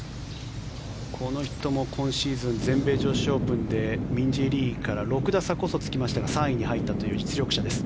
この人も今シーズン全米女子オープンでミンジー・リーから６打差こそつきましたが３位に入ったという実力者です。